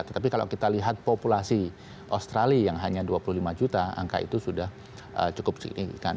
tetapi kalau kita lihat populasi australia yang hanya dua puluh lima juta angka itu sudah cukup signifikan